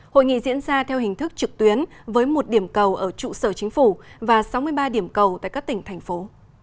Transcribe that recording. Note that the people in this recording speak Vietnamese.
hội nghị diễn ra theo hình thức trực tuyến với một điểm cầu ở trụ sở chính phủ và sáu mươi ba điểm cầu tại các tỉnh thành phố